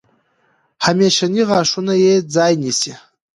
همیشني غاښونه یې ځای نیسي.